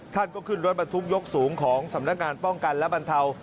ท่านก็ขึ้นรถบรรทุกยกสูงของสำนักงานป้องกันและบรรเทา